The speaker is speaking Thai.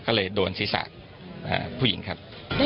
ก็เลยโดนศีรษะผู้หญิงครับ